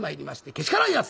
「けしからんやつ！」。